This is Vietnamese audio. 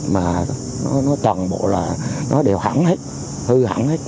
mà nó toàn bộ là nó đều hẳn hết hư hẳn hết